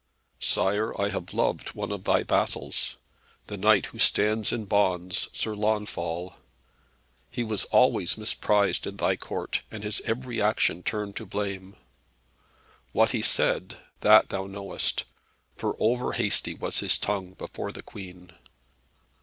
"Sire, I have loved one of thy vassals, the knight who stands in bonds, Sir Launfal. He was always misprized in thy Court, and his every action turned to blame. What he said, that thou knowest; for over hasty was his tongue before the Queen.